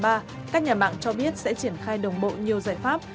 các nhà mạng cho biết sẽ triển khai đồng bộ nhiều giải pháp